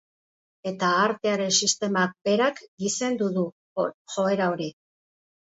Eta artearen sistemak berak gizendu du joera hori.